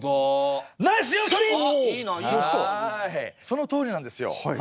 そのとおりなんですよ。